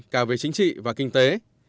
cả về chính trị và kinh tế